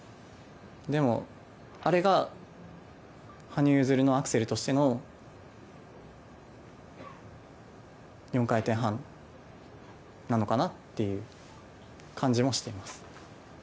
でも、あれが羽生結弦のアクセルとしての４回転半なのかなっていう感じもしています。